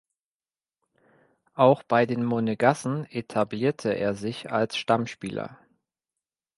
Auch bei den Monegassen etablierte er sich als Stammspieler.